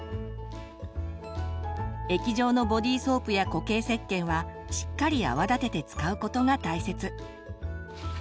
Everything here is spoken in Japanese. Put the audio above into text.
液状のボディソープや固形せっけんはしっかり泡立てて使うことが大切。